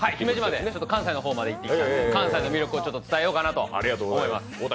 関西の方まで行ってきたので関西の魅力を伝えようかなと思います。